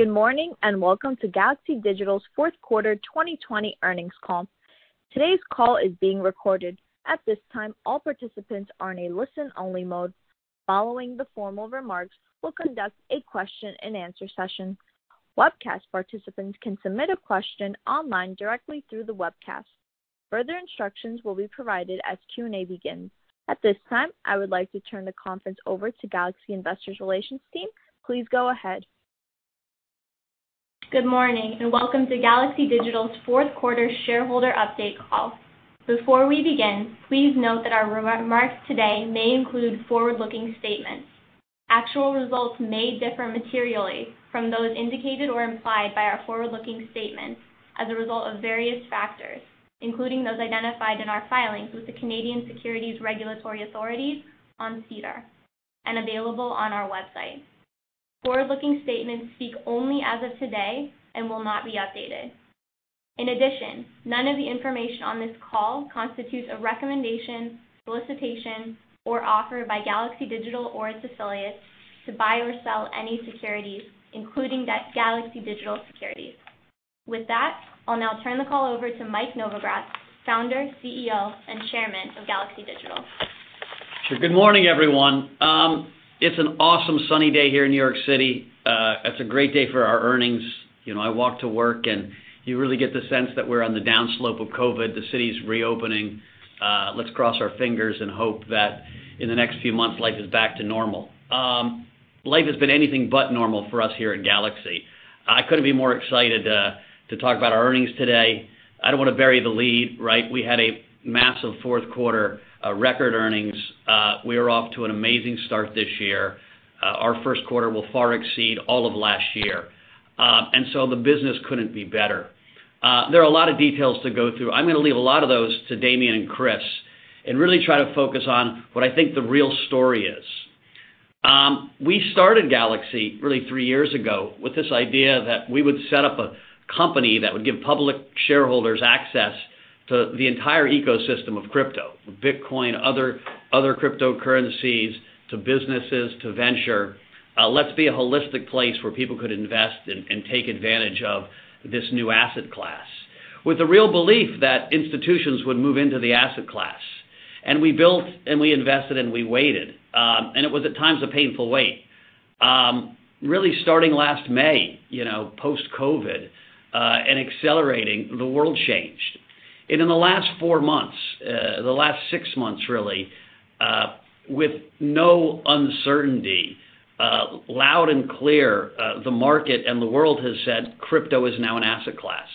Good morning and welcome to Galaxy Digital's fourth quarter 2020 earnings call. Today's call is being recorded. At this time, all participants are in a listen-only mode. Following the formal remarks, we'll conduct a question-and-answer session. Webcast participants can submit a question online directly through the webcast. Further instructions will be provided as Q&A begins. At this time, I would like to turn the conference over to Galaxy Investor Relations Team. Please go ahead. Good morning and welcome to Galaxy Digital's fourth quarter shareholder update call. Before we begin, please note that our remarks today may include forward-looking statements. Actual results may differ materially from those indicated or implied by our forward-looking statements as a result of various factors, including those identified in our filings with the Canadian Securities Regulatory Authorities on SEDAR and available on our website. Forward-looking statements speak only as of today and will not be updated. In addition, none of the information on this call constitutes a recommendation, solicitation, or offer by Galaxy Digital or its affiliates to buy or sell any securities, including Galaxy Digital securities. With that, I'll now turn the call over to Mike Novogratz, Founder, CEO, and Chairman of Galaxy Digital. Sure. Good morning, everyone. It's an awesome sunny day here in New York City. It's a great day for our earnings. I walk to work, and you really get the sense that we're on the downslope of COVID. The city's reopening. Let's cross our fingers and hope that in the next few months, life is back to normal. Life has been anything but normal for us here at Galaxy. I couldn't be more excited to talk about our earnings today. I don't want to bury the lead, right? We had a massive fourth quarter record earnings. We are off to an amazing start this year. Our first quarter will far exceed all of last year, and so the business couldn't be better. There are a lot of details to go through. I'm going to leave a lot of those to Damien and Chris and really try to focus on what I think the real story is. We started Galaxy really three years ago with this idea that we would set up a company that would give public shareholders access to the entire ecosystem of crypto, Bitcoin, other cryptocurrencies, to businesses, to venture. Let's be a holistic place where people could invest and take advantage of this new asset class with the real belief that institutions would move into the asset class. And we built and we invested and we waited. And it was at times a painful wait. Really starting last May, post-COVID and accelerating, the world changed. And in the last four months, the last six months really, with no uncertainty, loud and clear, the market and the world has said crypto is now an asset class.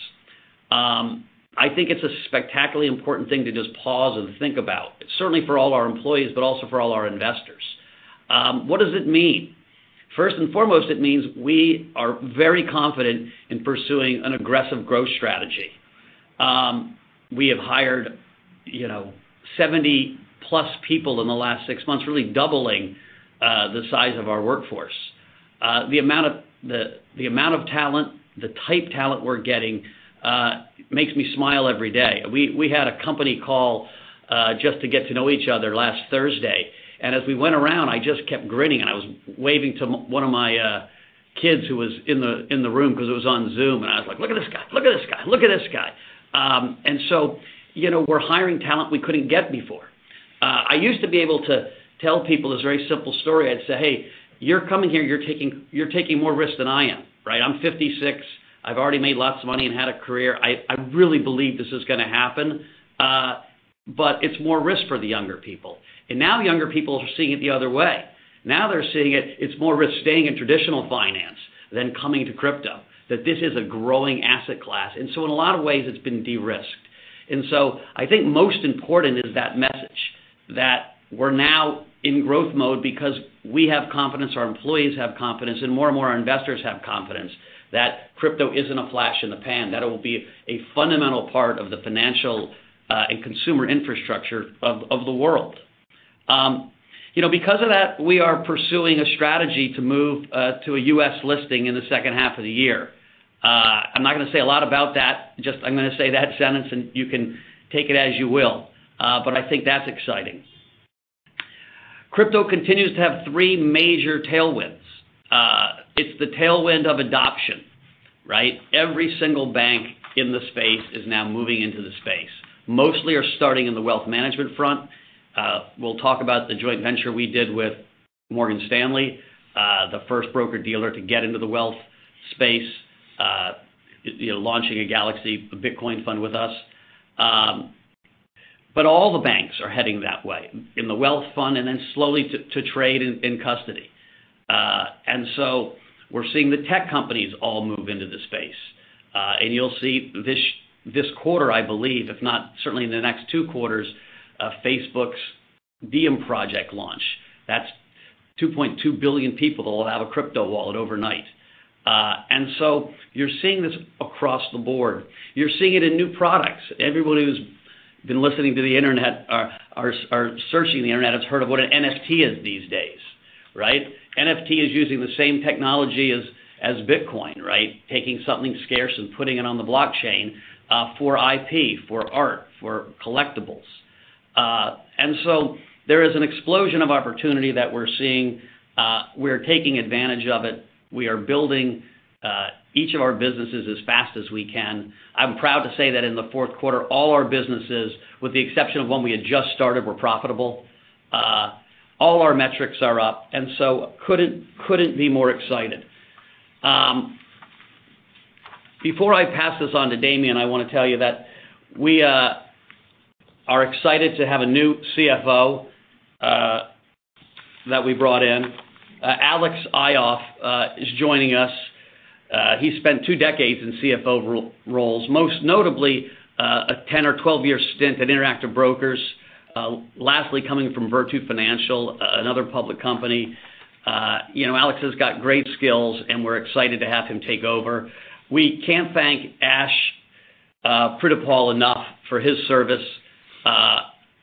I think it's a spectacularly important thing to just pause and think about, certainly for all our employees, but also for all our investors. What does it mean? First and foremost, it means we are very confident in pursuing an aggressive growth strategy. We have hired 70-plus people in the last six months, really doubling the size of our workforce. The amount of talent, the type talent we're getting, makes me smile every day. We had a company call just to get to know each other last Thursday. And as we went around, I just kept grinning and I was waving to one of my kids who was in the room because it was on Zoom. And I was like, "Look at this guy. Look at this guy. Look at this guy." And so we're hiring talent we couldn't get before. I used to be able to tell people this very simple story. I'd say, "Hey, you're coming here. You're taking more risk than I am, right? I'm 56. I've already made lots of money and had a career. I really believe this is going to happen. But it's more risk for the younger people." And now younger people are seeing it the other way. Now they're seeing it. It's more risk staying in traditional finance than coming to crypto, that this is a growing asset class. And so in a lot of ways, it's been de-risked. And so I think most important is that message that we're now in growth mode because we have confidence, our employees have confidence, and more and more our investors have confidence that crypto isn't a flash in the pan, that it will be a fundamental part of the financial and consumer infrastructure of the world. Because of that, we are pursuing a strategy to move to a U.S. listing in the second half of the year. I'm not going to say a lot about that. Just I'm going to say that sentence and you can take it as you will. But I think that's exciting. Crypto continues to have three major tailwinds. It's the tailwind of adoption, right? Every single bank in the space is now moving into the space. Mostly are starting in the wealth management front. We'll talk about the joint venture we did with Morgan Stanley, the first broker-dealer to get into the wealth space, launching a Galaxy Bitcoin Fund with us. But all the banks are heading that way in the wealth front and then slowly to trade in custody. And so we're seeing the tech companies all move into the space. And you'll see this quarter, I believe, if not certainly in the next two quarters, Facebook's Diem project launch. That's 2.2 billion people that will have a crypto wallet overnight. And so you're seeing this across the board. You're seeing it in new products. Everybody who's been listening to the internet or searching the internet has heard of what an NFT is these days, right? NFT is using the same technology as Bitcoin, right? Taking something scarce and putting it on the blockchain for IP, for art, for collectibles. And so there is an explosion of opportunity that we're seeing. We're taking advantage of it. We are building each of our businesses as fast as we can. I'm proud to say that in the fourth quarter, all our businesses, with the exception of one we had just started, were profitable. All our metrics are up. And so couldn't be more excited. Before I pass this on to Damien, I want to tell you that we are excited to have a new CFO that we brought in. Alex Ioffe is joining us. He spent two decades in CFO roles, most notably a 10 or 12-year stint at Interactive Brokers, lastly coming from Virtu Financial, another public company. Alex has got great skills and we're excited to have him take over. We can't thank Ash Prithipaul enough for his service.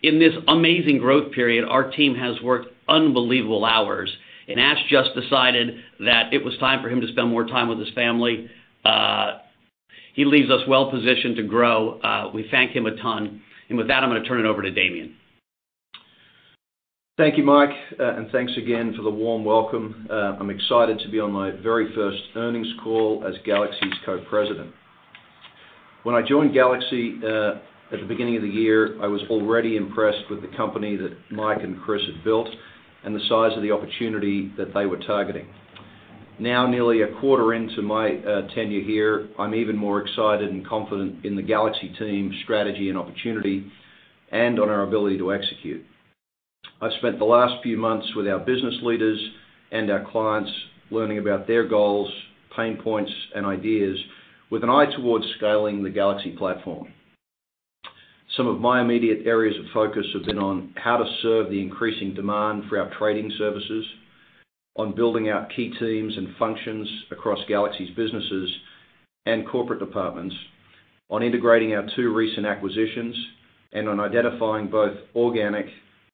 In this amazing growth period, our team has worked unbelievable hours. Ash just decided that it was time for him to spend more time with his family. He leaves us well positioned to grow. We thank him a ton. And with that, I'm going to turn it over to Damien. Thank you, Mike, and thanks again for the warm welcome. I'm excited to be on my very first earnings call as Galaxy's co-president. When I joined Galaxy at the beginning of the year, I was already impressed with the company that Mike and Christopher had built and the size of the opportunity that they were targeting. Now, nearly a quarter into my tenure here, I'm even more excited and confident in the Galaxy team's strategy and opportunity and on our ability to execute. I've spent the last few months with our business leaders and our clients learning about their goals, pain points, and ideas with an eye towards scaling the Galaxy platform. Some of my immediate areas of focus have been on how to serve the increasing demand for our trading services, on building out key teams and functions across Galaxy's businesses and corporate departments, on integrating our two recent acquisitions, and on identifying both organic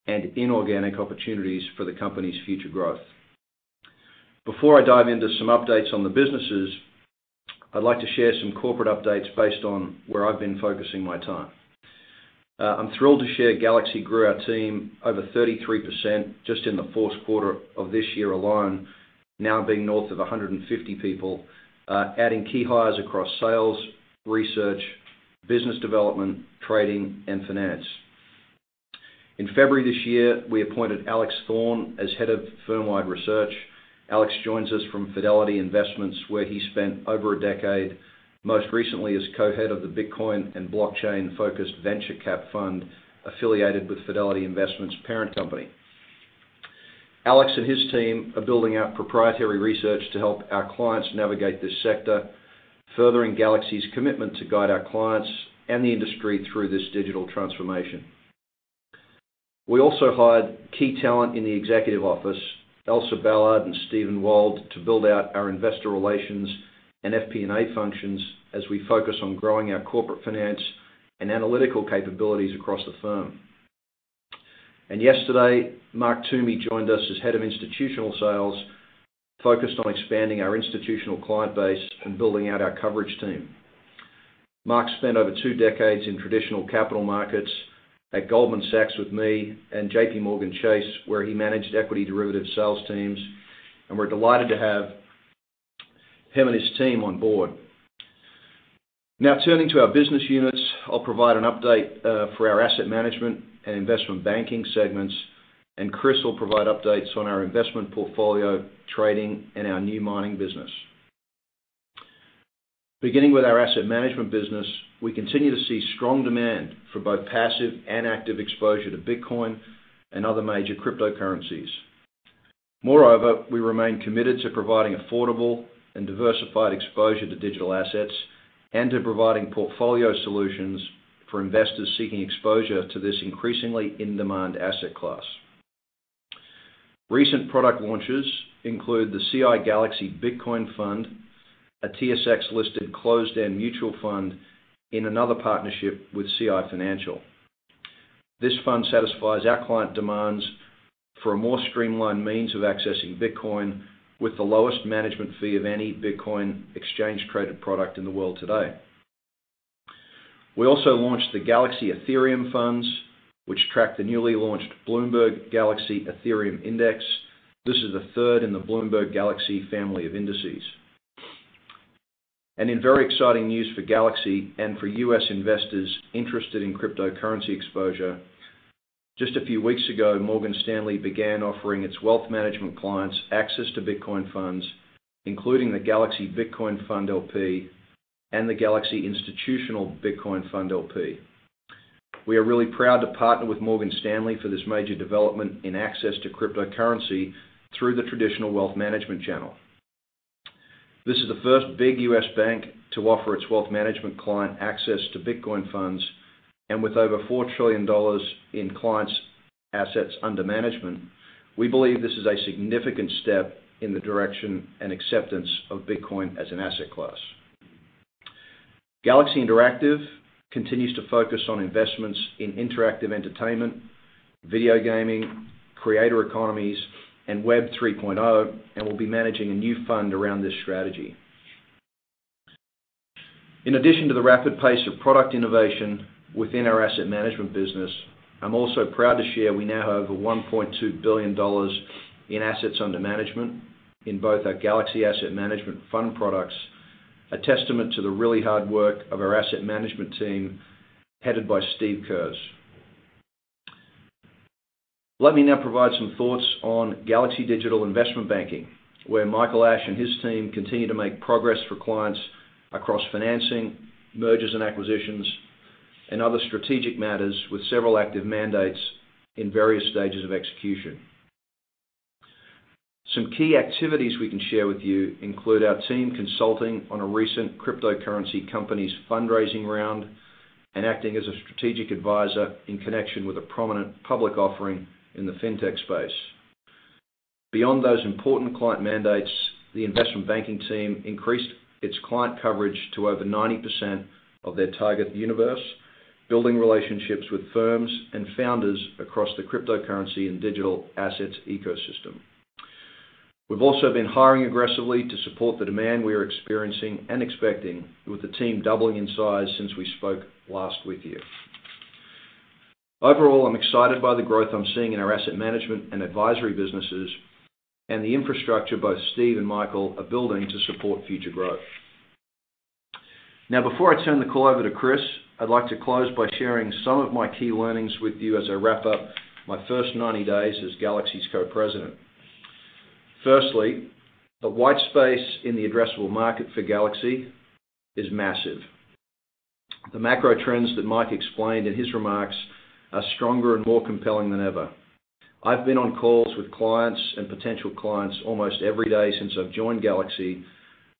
and inorganic opportunities for the company's future growth. Before I dive into some updates on the businesses, I'd like to share some corporate updates based on where I've been focusing my time. I'm thrilled to share Galaxy grew our team over 33% just in the fourth quarter of this year alone, now being north of 150 people, adding key hires across sales, research, business development, trading, and finance. In February this year, we appointed Alex Thorn as head of firmwide research. Alex joins us from Fidelity Investments, where he spent over a decade, most recently as co-head of the Bitcoin and blockchain-focused venture capital fund affiliated with Fidelity Investments' parent company. Alex and his team are building out proprietary research to help our clients navigate this sector, furthering Galaxy's commitment to guide our clients and the industry through this digital transformation. We also hired key talent in the executive office, Elsa Ballard and Steven Wald, to build out our investor relations and FP&A functions as we focus on growing our corporate finance and analytical capabilities across the firm. Yesterday, Mark Toomey joined us as head of institutional sales, focused on expanding our institutional client base and building out our coverage team. Mark spent over two decades in traditional capital markets at Goldman Sachs with me and JPMorgan Chase, where he managed equity derivative sales teams. And we're delighted to have him and his team on board. Now, turning to our business units, I'll provide an update for our asset management and investment banking segments. And Christopher will provide updates on our investment portfolio, trading, and our new mining business. Beginning with our asset management business, we continue to see strong demand for both passive and active exposure to Bitcoin and other major cryptocurrencies. Moreover, we remain committed to providing affordable and diversified exposure to digital assets and to providing portfolio solutions for investors seeking exposure to this increasingly in-demand asset class. Recent product launches include the CI Galaxy Bitcoin Fund, a TSX-listed closed-end mutual fund in another partnership with CI Financial. This fund satisfies our client demands for a more streamlined means of accessing Bitcoin with the lowest management fee of any Bitcoin exchange-traded product in the world today. We also launched the Galaxy Ethereum Funds, which track the newly launched Bloomberg Galaxy Ethereum Index. This is the third in the Bloomberg Galaxy family of indices. And in very exciting news for Galaxy and for U.S. investors interested in cryptocurrency exposure, just a few weeks ago, Morgan Stanley began offering its wealth management clients access to Bitcoin funds, including the Galaxy Bitcoin Fund LP and the Galaxy Institutional Bitcoin Fund LP. We are really proud to partner with Morgan Stanley for this major development in access to cryptocurrency through the traditional wealth management channel. This is the first big U.S. bank to offer its wealth management client access to Bitcoin funds. And with over $4 trillion in clients' assets under management, we believe this is a significant step in the direction and acceptance of Bitcoin as an asset class. Galaxy Interactive continues to focus on investments in interactive entertainment, video gaming, creator economies, and Web 3.0, and will be managing a new fund around this strategy. In addition to the rapid pace of product innovation within our asset management business, I'm also proud to share we now have over $1.2 billion in assets under management in both our Galaxy Asset Management fund products, a testament to the really hard work of our asset management team headed by Steve Kurz. Let me now provide some thoughts on Galaxy Digital Investment Banking, where Michael Ashe and his team continue to make progress for clients across financing, mergers and acquisitions, and other strategic matters with several active mandates in various stages of execution. Some key activities we can share with you include our team consulting on a recent cryptocurrency company's fundraising round and acting as a strategic advisor in connection with a prominent public offering in the fintech space. Beyond those important client mandates, the investment banking team increased its client coverage to over 90% of their target universe, building relationships with firms and founders across the cryptocurrency and digital assets ecosystem. We've also been hiring aggressively to support the demand we are experiencing and expecting, with the team doubling in size since we spoke last with you. Overall, I'm excited by the growth I'm seeing in our asset management and advisory businesses and the infrastructure both Steve and Michael are building to support future growth. Now, before I turn the call over to Christopher, I'd like to close by sharing some of my key learnings with you as I wrap up my first 90 days as Galaxy's co-president. Firstly, the white space in the addressable market for Galaxy is massive. The macro trends that Mike explained in his remarks are stronger and more compelling than ever. I've been on calls with clients and potential clients almost every day since I've joined Galaxy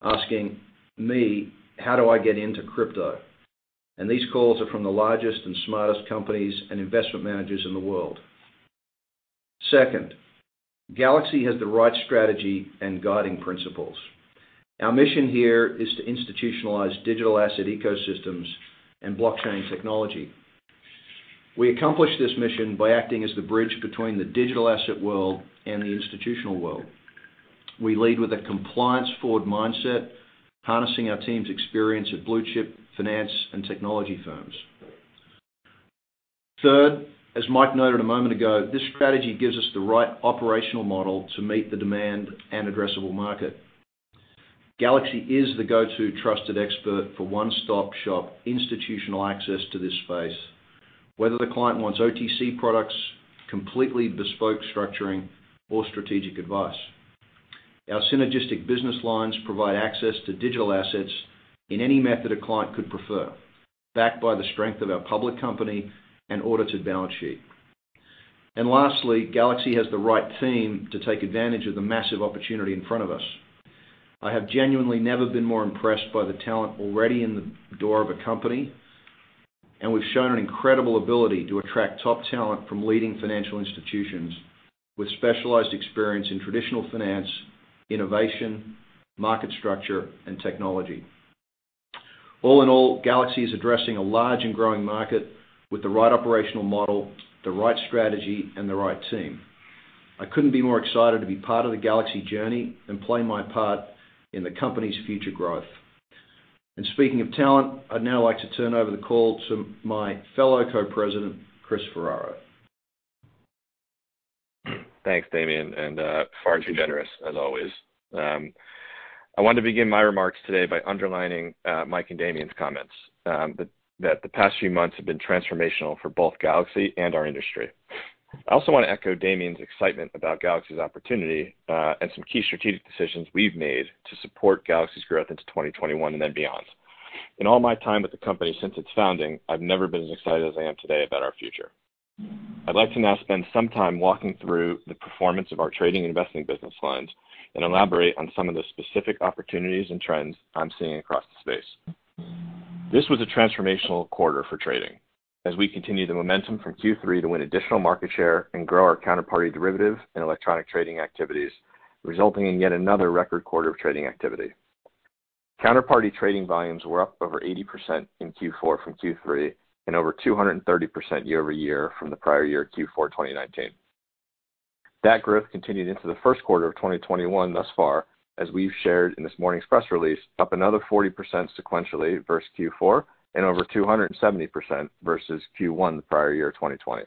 asking me, "How do I get into crypto?" And these calls are from the largest and smartest companies and investment managers in the world. Second, Galaxy has the right strategy and guiding principles. Our mission here is to institutionalize digital asset ecosystems and blockchain technology. We accomplish this mission by acting as the bridge between the digital asset world and the institutional world. We lead with a compliance-forward mindset, harnessing our team's experience at blue-chip finance and technology firms. Third, as Mike noted a moment ago, this strategy gives us the right operational model to meet the demand and addressable market. Galaxy is the go-to trusted expert for one-stop-shop institutional access to this space, whether the client wants OTC products, completely bespoke structuring, or strategic advice. Our synergistic business lines provide access to digital assets in any method a client could prefer, backed by the strength of our public company and audited balance sheet. And lastly, Galaxy has the right theme to take advantage of the massive opportunity in front of us. I have genuinely never been more impressed by the talent already in the door of a company. And we've shown an incredible ability to attract top talent from leading financial institutions with specialized experience in traditional finance, innovation, market structure, and technology. All in all, Galaxy is addressing a large and growing market with the right operational model, the right strategy, and the right team. I couldn't be more excited to be part of the Galaxy journey and play my part in the company's future growth. And speaking of talent, I'd now like to turn over the call to my fellow co-president, Christopher Ferraro. Thanks, Damien, and far too generous, as always. I wanted to begin my remarks today by underlining Mike and Damien's comments that the past few months have been transformational for both Galaxy and our industry. I also want to echo Damien's excitement about Galaxy's opportunity and some key strategic decisions we've made to support Galaxy's growth into 2021 and then beyond. In all my time with the company since its founding, I've never been as excited as I am today about our future. I'd like to now spend some time walking through the performance of our trading and investing business lines and elaborate on some of the specific opportunities and trends I'm seeing across the space. This was a transformational quarter for trading as we continued the momentum from Q3 to win additional market share and grow our counterparty derivative and electronic trading activities, resulting in yet another record quarter of trading activity. Counterparty trading volumes were up over 80% in Q4 from Q3 and over 230% year-over-year from the prior year, Q4 2019. That growth continued into the first quarter of 2021 thus far, as we've shared in this morning's press release, up another 40% sequentially versus Q4 and over 270% versus Q1 the prior year, 2020.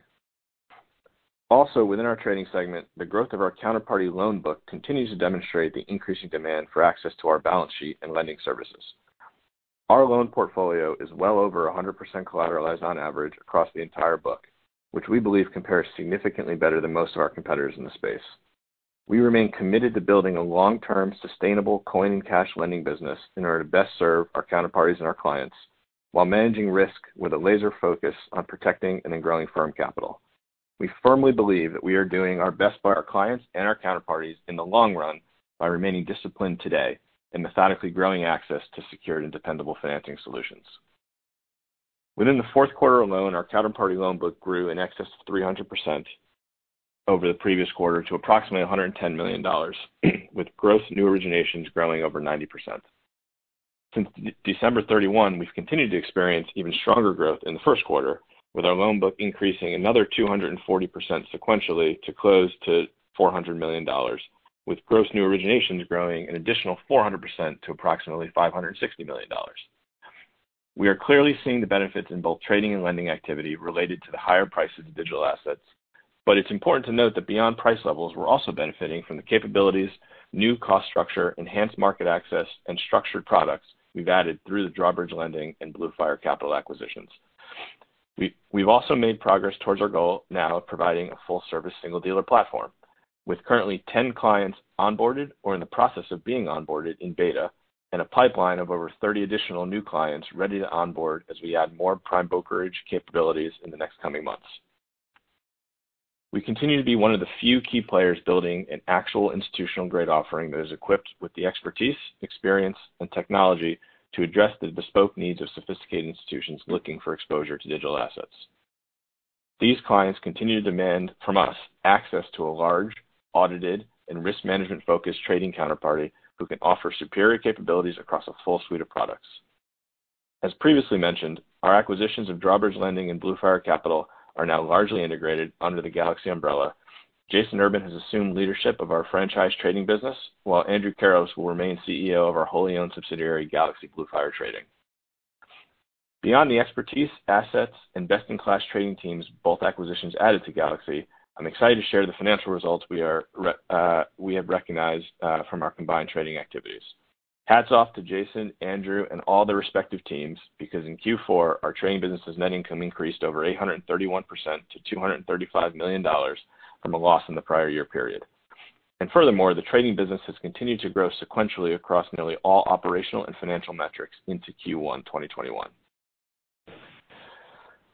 Also, within our trading segment, the growth of our counterparty loan book continues to demonstrate the increasing demand for access to our balance sheet and lending services. Our loan portfolio is well over 100% collateralized on average across the entire book, which we believe compares significantly better than most of our competitors in the space. We remain committed to building a long-term sustainable coin and cash lending business in order to best serve our counterparties and our clients while managing risk with a laser focus on protecting and growing firm capital. We firmly believe that we are doing our best by our clients and our counterparties in the long run by remaining disciplined today and methodically growing access to secured and dependable financing solutions. Within the fourth quarter alone, our counterparty loan book grew in excess of 300% over the previous quarter to approximately $110 million, with gross new originations growing over 90%. Since December 31, 2023, we've continued to experience even stronger growth in the first quarter, with our loan book increasing another 240% sequentially to close to $400 million, with gross new originations growing an additional 400% to approximately $560 million. We are clearly seeing the benefits in both trading and lending activity related to the higher prices of digital assets. But it's important to note that beyond price levels, we're also benefiting from the capabilities, new cost structure, enhanced market access, and structured products we've added through the Drawbridge Lending and Blue Fire Capital acquisitions. We've also made progress towards our goal now of providing a full-service single-dealer platform, with currently 10 clients onboarded or in the process of being onboarded in beta and a pipeline of over 30 additional new clients ready to onboard as we add more prime brokerage capabilities in the next coming months. We continue to be one of the few key players building an actual institutional-grade offering that is equipped with the expertise, experience, and technology to address the bespoke needs of sophisticated institutions looking for exposure to digital assets. These clients continue to demand from us access to a large, audited, and risk management-focused trading counterparty who can offer superior capabilities across a full suite of products. As previously mentioned, our acquisitions of Drawbridge Lending and Blue Fire Capital are now largely integrated under the Galaxy umbrella. Jason Urban has assumed leadership of our franchise trading business, while Andrew Karos will remain CEO of our wholly owned subsidiary, Blue Fire Capital. Beyond the expertise, assets, and best-in-class trading teams both acquisitions added to Galaxy, I'm excited to share the financial results we have recognized from our combined trading activities. Hats off to Jason, Andrew, and all the respective teams because in Q4, our trading business's net income increased over 831% to $235 million from a loss in the prior year period. Furthermore, the trading business has continued to grow sequentially across nearly all operational and financial metrics into Q1 2021.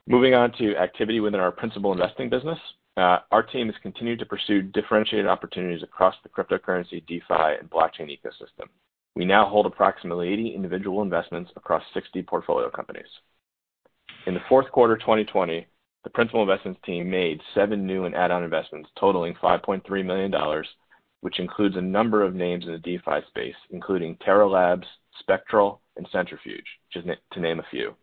Moving on to activity within our principal investing business, our team has continued to pursue differentiated opportunities across the cryptocurrency, DeFi, and blockchain ecosystem. We now hold approximately 80 individual investments across 60 portfolio companies. In the fourth quarter of 2020, the principal investments team made seven new and add-on investments totaling $5.3 million, which includes a number of names in the DeFi space, including Terraform Labs, Spectral, and Centrifuge, to name a few.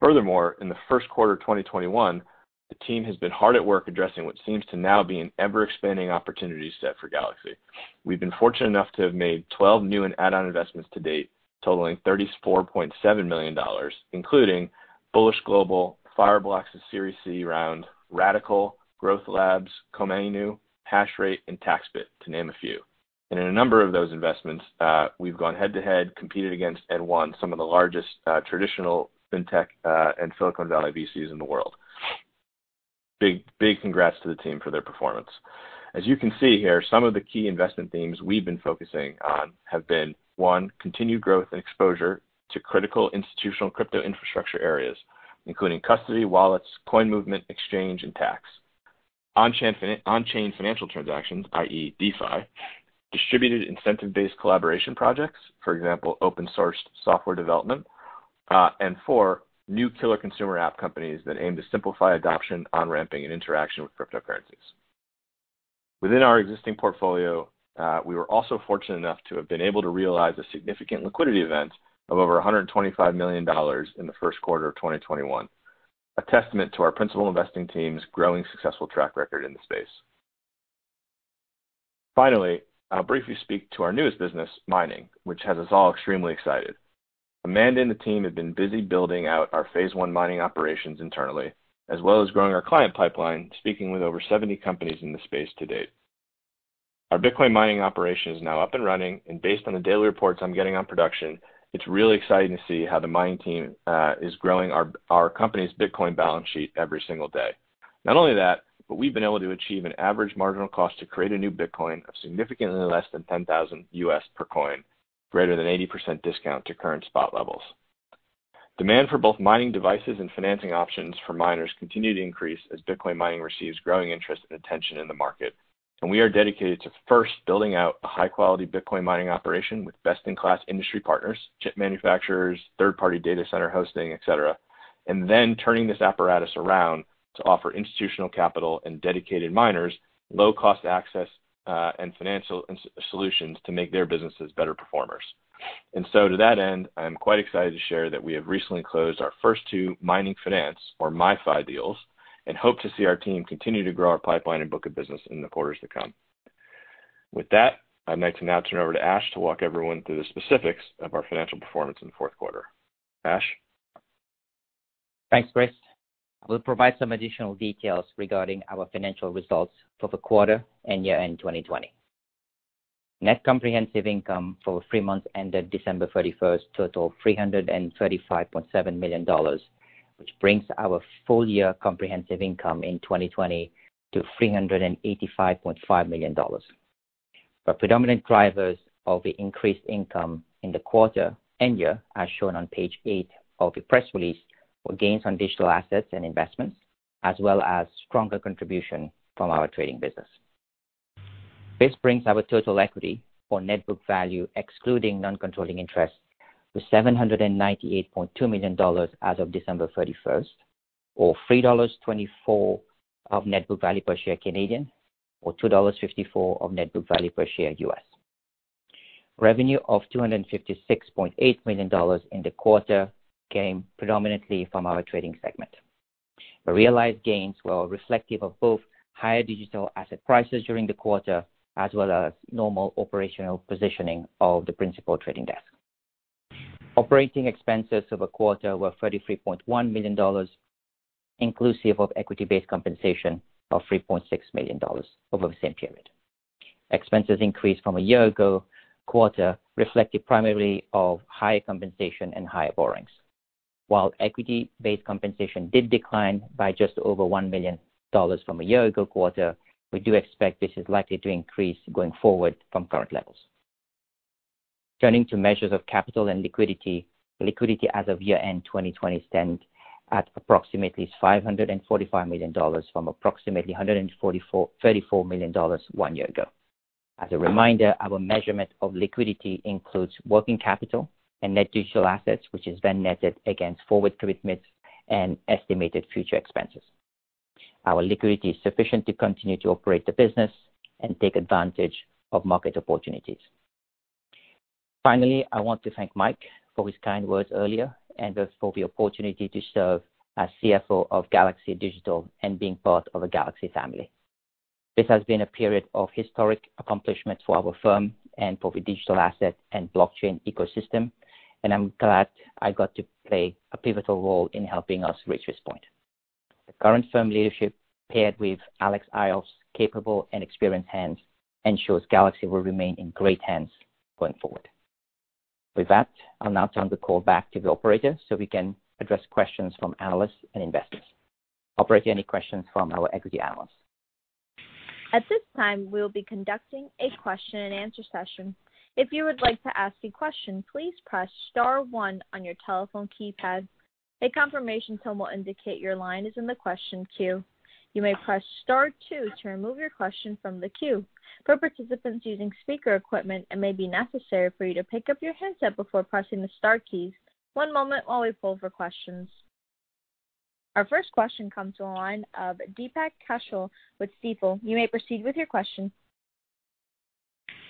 Furthermore, in the first quarter of 2021, the team has been hard at work addressing what seems to now be an ever-expanding opportunity set for Galaxy. We've been fortunate enough to have made 12 new and add-on investments to date totaling $34.7 million, including Bullish Global, Fireblocks' Series C round, Radicle, Gro, Komainu, Hashdex, and TaxBit, to name a few, and in a number of those investments, we've gone head-to-head, competed against, and won some of the largest traditional fintech and Silicon Valley VCs in the world. Big congrats to the team for their performance. As you can see here, some of the key investment themes we've been focusing on have been, one, continued growth and exposure to critical institutional crypto infrastructure areas, including custody, wallets, coin movement, exchange, and tax. On-chain financial transactions, i.e. DeFi, distributed incentive-based collaboration projects, for example, open-sourced software development, and four, new killer consumer app companies that aim to simplify adoption, on-ramping, and interaction with cryptocurrencies. Within our existing portfolio, we were also fortunate enough to have been able to realize a significant liquidity event of over $125 million in the first quarter of 2021, a testament to our principal investing team's growing successful track record in the space. Finally, I'll briefly speak to our newest business, mining, which has us all extremely excited. Amanda and the team have been busy building out our phase one mining operations internally, as well as growing our client pipeline, speaking with over 70 companies in the space to date. Our Bitcoin mining operation is now up and running, and based on the daily reports I'm getting on production, it's really exciting to see how the mining team is growing our company's Bitcoin balance sheet every single day. Not only that, but we've been able to achieve an average marginal cost to create a new Bitcoin of significantly less than $10,000 per coin, greater than 80% discount to current spot levels. Demand for both mining devices and financing options for miners continues to increase as Bitcoin mining receives growing interest and attention in the market. And we are dedicated to first building out a high-quality Bitcoin mining operation with best-in-class industry partners, chip manufacturers, third-party data center hosting, etc., and then turning this apparatus around to offer institutional capital and dedicated miners, low-cost access and financial solutions to make their businesses better performers. And so to that end, I'm quite excited to share that we have recently closed our first two mining finance, or MiFi, deals and hope to see our team continue to grow our pipeline and book of business in the quarters to come. With that, I'd like to now turn over to Ash to walk everyone through the specifics of our financial performance in the fourth quarter. Ash? Thanks, Christopher. I will provide some additional details regarding our financial results for the quarter end year end 2020. Net comprehensive income for three months ended December 31st total $335.7 million, which brings our full-year comprehensive income in 2020 to $385.5 million. The predominant drivers of the increased income in the quarter end year are shown on page eight of the press release for gains on digital assets and investments, as well as stronger contribution from our trading business. This brings our total equity or net book value, excluding non-controlling interest, to $798.2 million as of December 31st, or 3.24 dollars of net book value per share Canadian, or $2.54 of net book value per share U.S. Revenue of $256.8 million in the quarter came predominantly from our trading segment. The realized gains were reflective of both higher digital asset prices during the quarter as well as normal operational positioning of the principal trading desk. Operating expenses of the quarter were $33.1 million, inclusive of equity-based compensation of $3.6 million over the same period. Expenses increased from a year ago quarter reflected primarily of higher compensation and higher borrowings. While equity-based compensation did decline by just over $1 million from a year ago quarter, we do expect this is likely to increase going forward from current levels. Turning to measures of capital and liquidity, liquidity as of year-end 2020 stands at approximately $545 million from approximately $134 million one year ago. As a reminder, our measurement of liquidity includes working capital and net digital assets, which is then netted against forward commitments and estimated future expenses. Our liquidity is sufficient to continue to operate the business and take advantage of market opportunities. Finally, I want to thank Mike for his kind words earlier and for the opportunity to serve as CFO of Galaxy Digital and being part of a Galaxy family. This has been a period of historic accomplishments for our firm and for the digital asset and blockchain ecosystem, and I'm glad I got to play a pivotal role in helping us reach this point. The current firm leadership, paired with Alex Ioffe's capable and experienced hands, ensures Galaxy will remain in great hands going forward. With that, I'll now turn the call back to the operator so we can address questions from analysts and investors. Operator, any questions from our equity analysts? At this time, we will be conducting a question-and-answer session. If you would like to ask a question, please press star one on your telephone keypad. A confirmation tone will indicate your line is in the question queue. You may press star two to remove your question from the queue. For participants using speaker equipment, it may be necessary for you to pick up your headset before pressing the star keys. One moment while we pull for questions. Our first question comes from a line of Deepak Kaushal with Stifel. You may proceed with your question.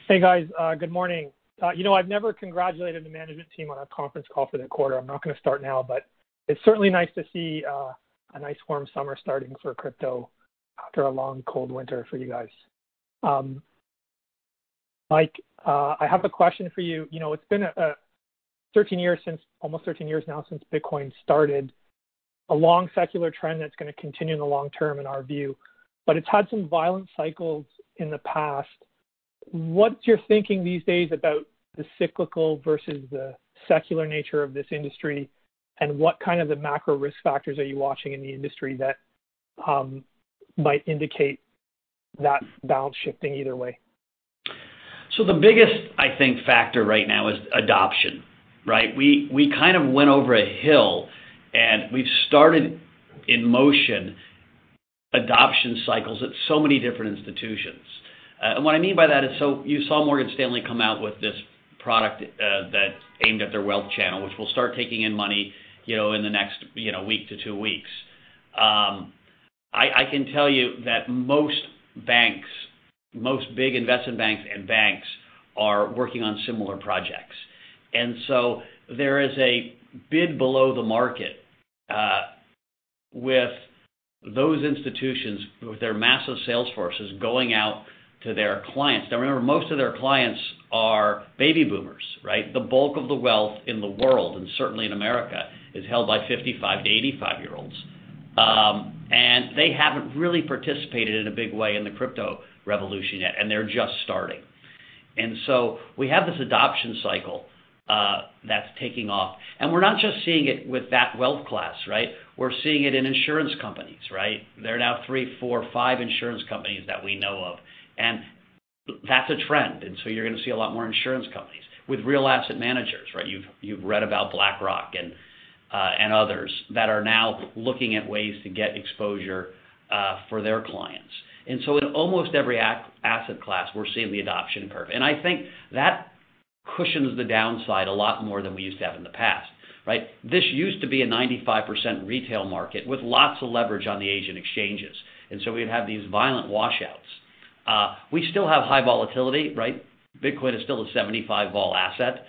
Hey, guys. Good morning. I've never congratulated the management team on a conference call for the quarter. I'm not going to start now, but it's certainly nice to see a nice warm summer starting for crypto after a long, cold winter for you guys. Mike, I have a question for you. It's been almost 13 years now since Bitcoin started, a long secular trend that's going to continue in the long term in our view, but it's had some violent cycles in the past. What's your thinking these days about the cyclical versus the secular nature of this industry, and what kind of macro risk factors are you watching in the industry that might indicate that balance shifting either way? The biggest, I think, factor right now is adoption. We kind of went over a hill, and we've started in motion adoption cycles at so many different institutions. And what I mean by that is, so you saw Morgan Stanley come out with this product that aimed at their wealth channel, which will start taking in money in the next week to two weeks. I can tell you that most banks, most big investment banks and banks are working on similar projects. And so there is a bid below the market with those institutions, with their massive sales forces going out to their clients. Now, remember, most of their clients are baby boomers. The bulk of the wealth in the world, and certainly in America, is held by 55- to 85-year-olds. And they haven't really participated in a big way in the crypto revolution yet, and they're just starting. We have this adoption cycle that's taking off. We're not just seeing it with that wealth class. We're seeing it in insurance companies. There are now three, four, five insurance companies that we know of. That's a trend. You're going to see a lot more insurance companies with real asset managers. You've read about BlackRock and others that are now looking at ways to get exposure for their clients. In almost every asset class, we're seeing the adoption curve. I think that cushions the downside a lot more than we used to have in the past. This used to be a 95% retail market with lots of leverage on the Asian exchanges. We would have these violent washouts. We still have high volatility. Bitcoin is still a 75 vol asset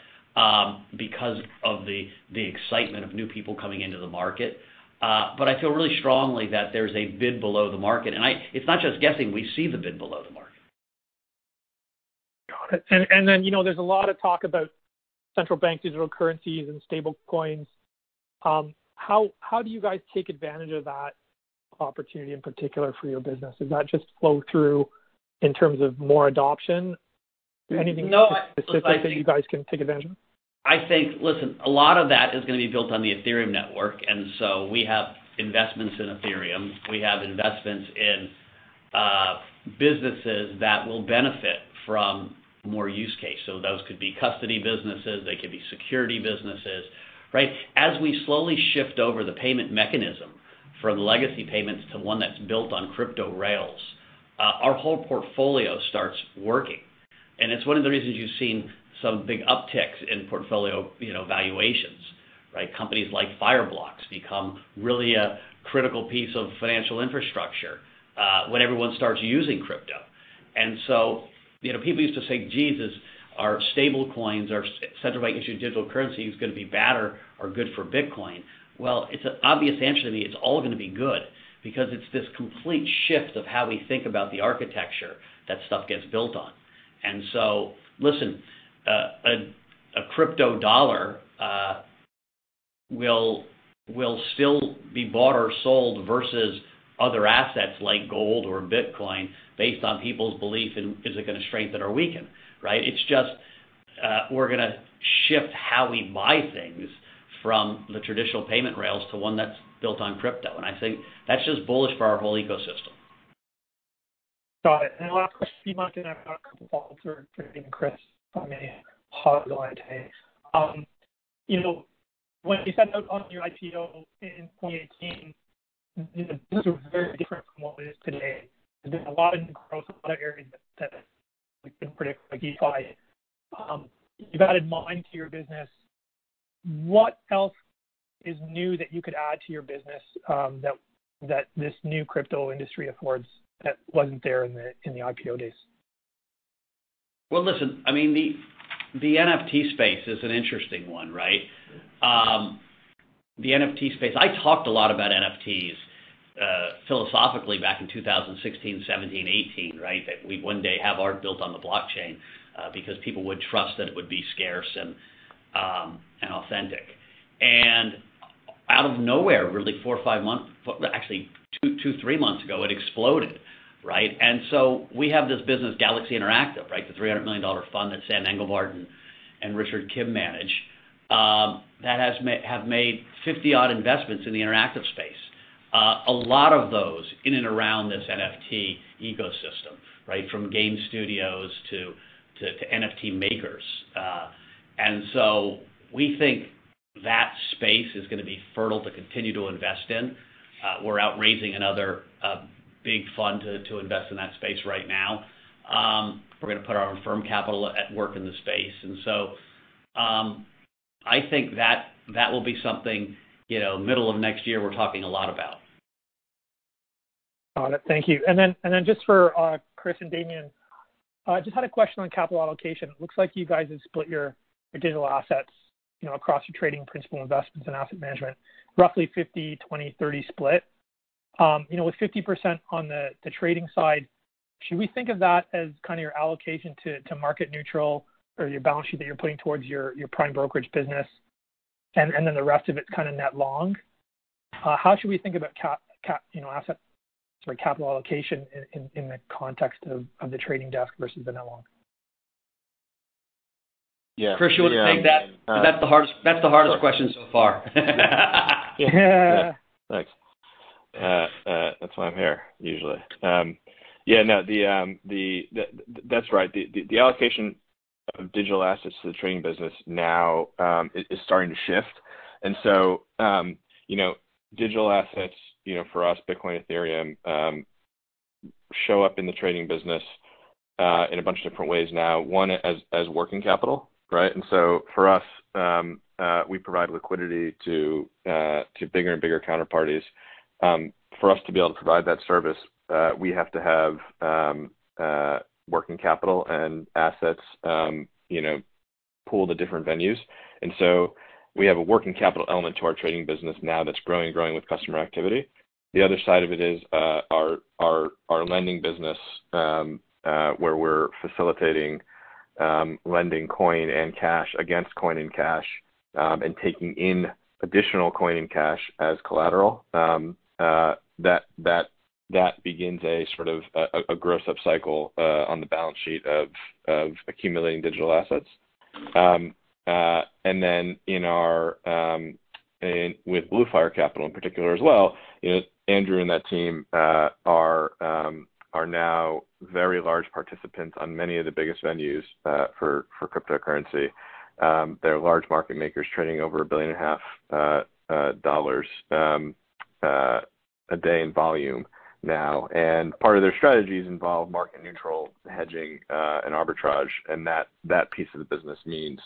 because of the excitement of new people coming into the market. But I feel really strongly that there's a bid below the market. And it's not just guessing. We see the bid below the market. Got it. And then there's a lot of talk about central bank digital currencies and stablecoins. How do you guys take advantage of that opportunity in particular for your business? Does that just flow through in terms of more adoption? Anything specific that you guys can take advantage of? I think, listen, a lot of that is going to be built on the Ethereum network. And so we have investments in Ethereum. We have investments in businesses that will benefit from more use case. So those could be custody businesses. They could be security businesses. As we slowly shift over the payment mechanism from legacy payments to one that's built on crypto rails, our whole portfolio starts working. And it's one of the reasons you've seen some big upticks in portfolio valuations. Companies like Fireblocks become really a critical piece of financial infrastructure when everyone starts using crypto. And so people used to say, "Jesus, are stablecoins, are central bank issued digital currency going to be bad or good for Bitcoin?" Well, it's an obvious answer to me. It's all going to be good because it's this complete shift of how we think about the architecture that stuff gets built on. And so, listen, a crypto dollar will still be bought or sold versus other assets like gold or Bitcoin based on people's belief in is it going to strengthen or weaken. It's just we're going to shift how we buy things from the traditional payment rails to one that's built on crypto. And I think that's just bullish for our whole ecosystem. Got it. And last question, Damien. And I've got a couple of follow-ups for Christopher. I may pause on it today. When you said on your IPO in 2018, the business was very different from what it is today. There's been a lot of new growth in a lot of areas that we couldn't predict, like DeFi. You've added mining to your business. What else is new that you could add to your business that this new crypto industry affords that wasn't there in the IPO days? Listen, I mean, the NFT space is an interesting one. The NFT space, I talked a lot about NFTs philosophically back in 2016, 2017, 2018, that we'd one day have art built on the blockchain because people would trust that it would be scarce and authentic. And out of nowhere, really, four or five months, actually two, three months ago, it exploded. And so we have this business, Galaxy Interactive, the $300 million fund that Sam Englebardt and Richard Kim manage that have made 50-odd investments in the Interactive space. A lot of those in and around this NFT ecosystem, from game studios to NFT makers. And so we think that space is going to be fertile to continue to invest in. We're out raising another big fund to invest in that space right now. We're going to put our own firm capital at work in the space. And so, I think that will be something middle of next year we're talking a lot about. Got it. Thank you. And then just for Christopher and Damien, I just had a question on capital allocation. It looks like you guys have split your digital assets across your trading principal investments and asset management, roughly 50, 20, 30 split. With 50% on the trading side, should we think of that as kind of your allocation to market neutral or your balance sheet that you're putting towards your prime brokerage business and then the rest of it kind of net long? How should we think about asset capital allocation in the context of the trading desk versus the net long? Yeah. Christopher, you want to take that? That's the hardest question so far. Thanks. That's why I'm here usually. Yeah, no, that's right. The allocation of digital assets to the trading business now is starting to shift, and so digital assets for us, Bitcoin, Ethereum, show up in the trading business in a bunch of different ways now, one as working capital. And so for us, we provide liquidity to bigger and bigger counterparties. For us to be able to provide that service, we have to have working capital and asset pool across the different venues. And so we have a working capital element to our trading business now that's growing and growing with customer activity. The other side of it is our lending business where we're facilitating lending coin and cash against coin and cash and taking in additional coin and cash as collateral. That begins a sort of a gross-up cycle on the balance sheet of accumulating digital assets. Then with Blue Fire Capital in particular as well, Andrew and that team are now very large participants on many of the biggest venues for cryptocurrency. They're large market makers trading over $1.5 billion a day in volume now. That piece of the business means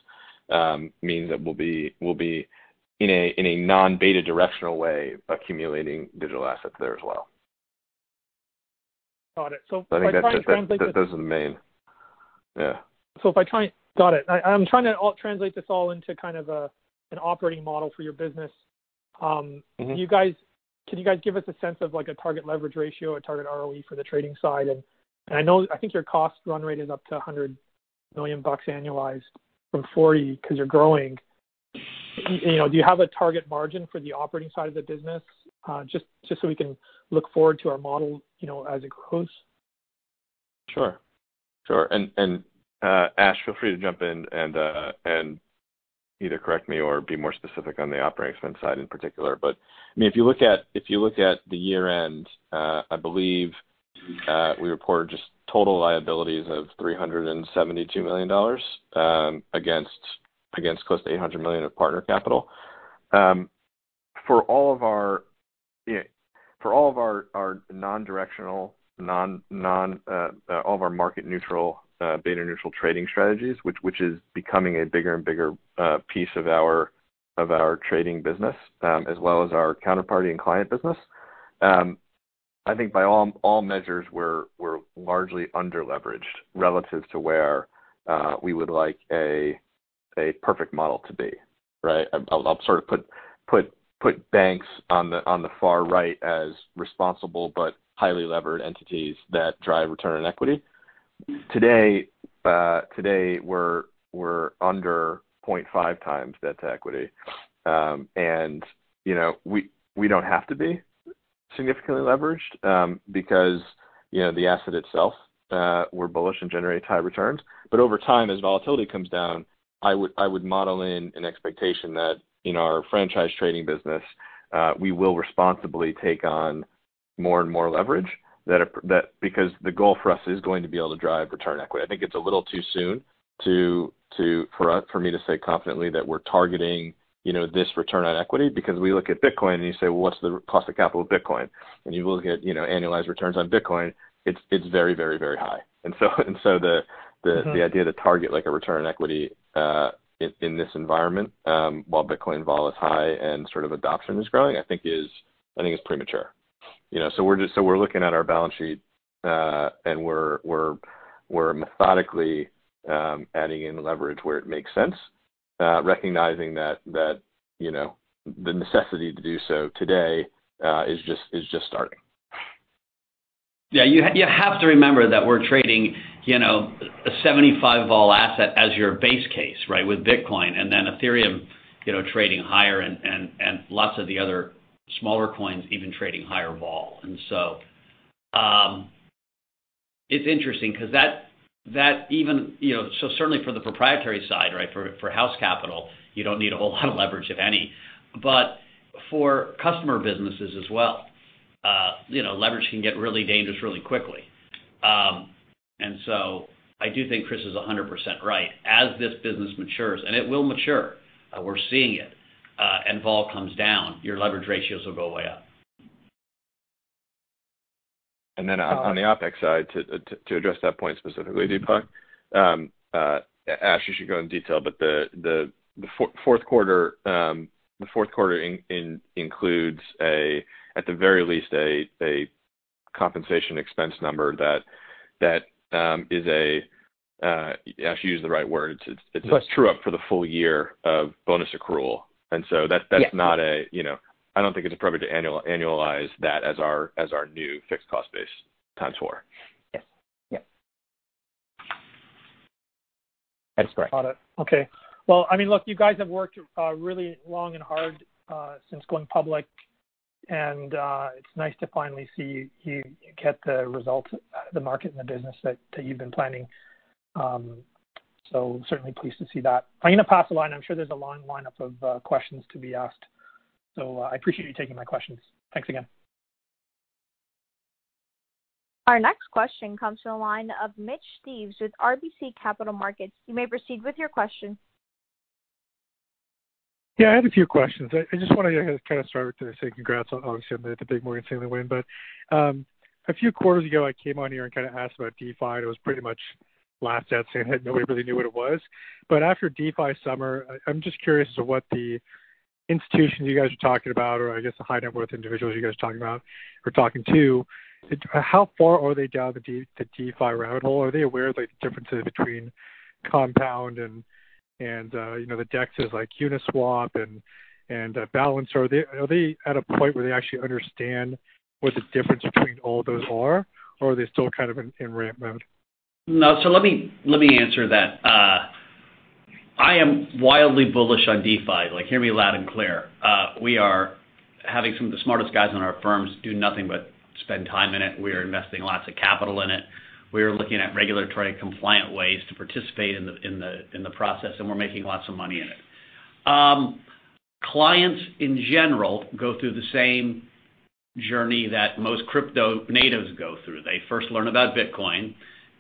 that we'll be in a non-beta directional way accumulating digital assets there as well. Got it. So if I try and. I think that's the main. Got it. I'm trying to translate this all into kind of an operating model for your business. Can you guys give us a sense of a target leverage ratio, a target ROE for the trading side? And I think your cost run rate is up to $100 million annualized from $40 million because you're growing. Do you have a target margin for the operating side of the business just so we can look forward to our model as it grows? Sure. And Ash, feel free to jump in and either correct me or be more specific on the operating expense side in particular. But if you look at the year-end, I believe we reported just total liabilities of $372 million against close to $800 million of partner capital. For all of our non-directional, all of our market neutral, beta neutral trading strategies, which is becoming a bigger and bigger piece of our trading business as well as our counterparty and client business, I think by all measures, we're largely underleveraged relative to where we would like a perfect model to be. I'll sort of put banks on the far right as responsible but highly levered entities that drive return on equity. Today, we're under 0.5 times debt to equity. And we don't have to be significantly leveraged because the asset itself, we're bullish and generates high returns. But over time, as volatility comes down, I would model in an expectation that in our franchise trading business, we will responsibly take on more and more leverage because the goal for us is going to be able to drive return on equity. I think it's a little too soon for me to say confidently that we're targeting this return on equity because we look at Bitcoin and you say, "Well, what's the cost of capital of Bitcoin?" And you look at annualized returns on Bitcoin, it's very, very, very high. And so the idea to target a return on equity in this environment while Bitcoin vol is high and sort of adoption is growing, I think is premature. So we're looking at our balance sheet, and we're methodically adding in leverage where it makes sense, recognizing that the necessity to do so today is just starting. Yeah. You have to remember that we're trading a 75-vol asset as your base case with Bitcoin and then Ethereum trading higher and lots of the other smaller coins even trading higher vol. And so it's interesting because that even so certainly for the proprietary side, for house capital, you don't need a whole lot of leverage, if any. But for customer businesses as well, leverage can get really dangerous really quickly. And so I do think Christopher is 100% right. As this business matures, and it will mature, we're seeing it, and vol comes down, your leverage ratios will go way up. Then on the OpEx side, to address that point specifically, Deepak, Ash, you should go in detail, but the fourth quarter includes, at the very least, a compensation expense number that is a Ash, you used the right word. It's a true-up for the full year of bonus accrual. And so that's not a I don't think it's appropriate to annualize that as our new fixed cost base times four. Yes. Yes. That is correct. Got it. Okay. Well, I mean, look, you guys have worked really long and hard since going public. And it's nice to finally see you get the results, the market, and the business that you've been planning. So certainly pleased to see that. I'm going to pass along. I'm sure there's a long lineup of questions to be asked. So I appreciate you taking my questions. Thanks again. Our next question comes from a line of Mitch Steves with RBC Capital Markets. You may proceed with your question. Yeah, I have a few questions. I just want to kind of start with saying congrats on obviously the big Morgan Stanley win. But a few quarters ago, I came on here and kind of asked about DeFi. And it was pretty much laughed at saying nobody really knew what it was. But after DeFi summer, I'm just curious as to what the institutions you guys are talking about or I guess the high net worth individuals you guys are talking about or talking to, how far are they down the DeFi rabbit hole? Are they aware of the differences between Compound and the DEXs like Uniswap and Balancer? Are they at a point where they actually understand what the difference between all those are, or are they still kind of in ramp mode? No. So let me answer that. I am wildly bullish on DeFi. Hear me loud and clear. We are having some of the smartest guys in our firms do nothing but spend time in it. We are investing lots of capital in it. We are looking at regulatory compliant ways to participate in the process, and we're making lots of money in it. Clients in general go through the same journey that most crypto natives go through. They first learn about Bitcoin,